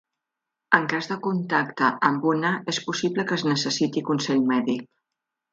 En cas de contacte amb una, és possible que es necessiti consell mèdic.